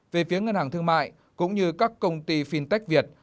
về phía ngân hàng thương mại cũng như các công ty fintech việt